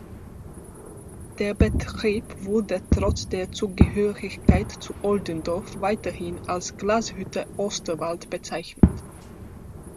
Der Betrieb wurde trotz der Zugehörigkeit zu Oldendorf weiterhin als "Glashütte Osterwald" bezeichnet.